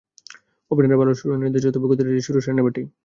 ওপেনাররা ভালো শুরু এনে দিয়েছিল, তবে গতিটা এসেছে সুরেশ রায়নার ব্যাটেই।